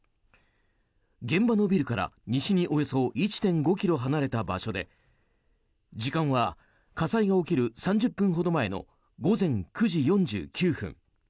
現場のビルから西におよそ１．５ｋｍ離れた場所で時間は火災が起きる３０分ほど前の午前９時４９分。